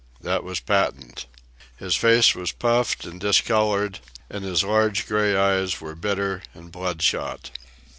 That was patent. His face was puffed and discoloured, and his large gray eyes were bitter and bloodshot.